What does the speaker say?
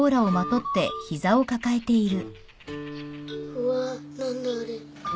うわ何だあれ。